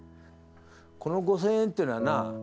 この５，０００円っていうのはな授業料だぞ。